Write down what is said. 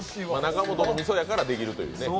中本の味噌やからできるというね。